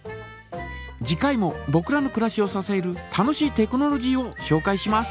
次回もぼくらのくらしをささえる楽しいテクノロジーをしょうかいします。